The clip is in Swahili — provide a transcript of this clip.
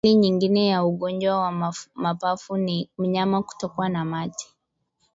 Dalili nyingine ya ugonjwa wa mapafu ni mnyama kutokwa na mate